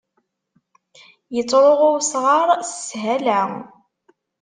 Yettṛuɣu wesɣaṛ s sshala.